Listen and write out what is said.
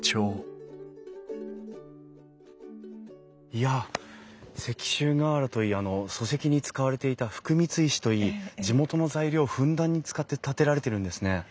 いや石州瓦といい礎石に使われていた福光石といい地元の材料をふんだんに使って建てられてるんですね。